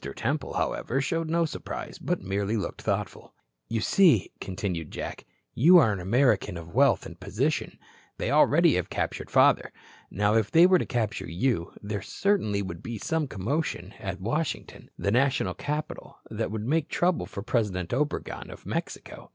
Temple, however, showed no surprise, but merely looked thoughtful. "You see," continued Jack, "you are an American of wealth and position. They already have captured father. Now, if they were to capture you, there certainly would be some commotion at Washington, the national capital, that would make trouble for President Obregon of Mexico.